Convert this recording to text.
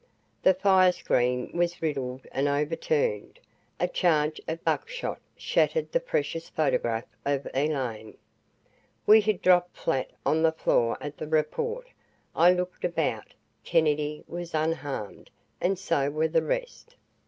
The fire screen was riddled and overturned. A charge of buckshot shattered the precious photograph of Elaine. We had dropped flat on the floor at the report. I looked about. Kennedy was unharmed, and so were the rest.